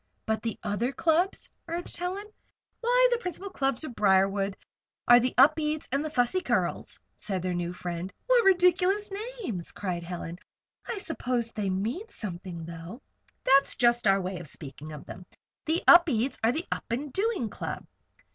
"But the other clubs?" urged Helen. "Why, the principal clubs of Briarwood are the Upedes and the Fussy Curls," said their new friend. "What ridiculous names!" cried Helen. "I suppose they mean something, though?" "That's just our way of speaking of them. The Upedes are the Up and Doing Club.